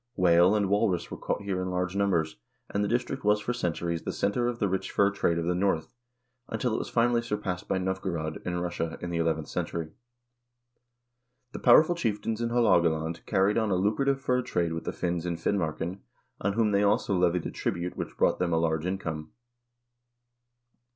Whale and walrus were caught here in large numbers, and the district was for centuries the center of the rich fur trade of the North, until it was finally surpassed by Novgorod, in Russia, in the eleventh century. The powerful chieftains in Haalogaland carried on a lucrative fur trade with the Finns in Fin marken, on whom they also levied a tribute which brought them a large income.